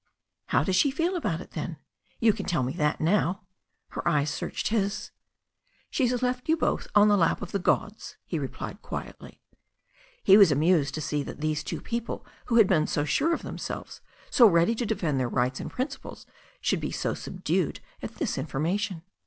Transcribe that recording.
"How does she feel about it then? You can tell me that now." Her eyes searched his. "She has left you both on the lap of the gods," he re plied quietly. He was amused to see that these two people who had been so sure of themselves, so ready to defend their rights and principles, should be so subdued at this information.